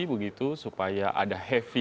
begitu supaya ada heavy